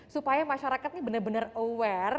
supaya masyarakatnya benar benar aware